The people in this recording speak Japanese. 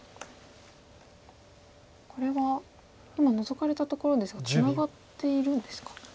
これは今ノゾかれたところですがツナがっているんですか？